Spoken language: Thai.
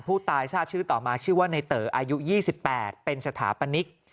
ผู้ตายทราบชื่อต่อมาชื่อว่าในเต๋ออายุ๒๘เป็นสถาปนิก